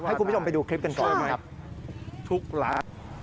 ให้คุณผู้ชมไปดูคลิปกันก่อนครับทุกร้าน